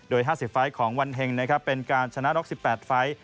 โดย๕๐ไฟต์ของวันเฮงเป็นการชนะ๑๘ไฟต์